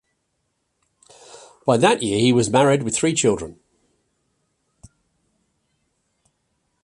By that year he was married with three children.